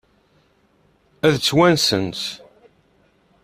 Ad tt-wansent?